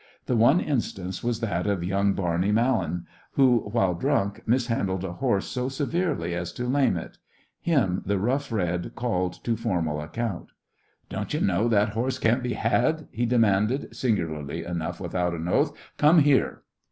The one instance was that of young Barney Mallan, who, while drunk, mishandled a horse so severely as to lame it. Him the Rough Red called to formal account. "Don't ye know that horses can't be had?" he demanded, singularly enough without an oath. "Come here."